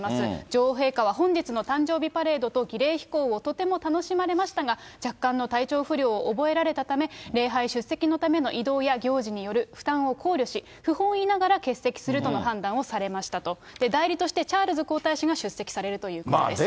女王陛下は本日の誕生日パレードを儀礼飛行をとても楽しまれましたが、若干の体調不良を覚えられたため、礼拝出席のための移動や行事による負担を考慮し、不本意ながら欠席するとの判断をされましたと、代理として、チャールズ皇太子が出席されるということです。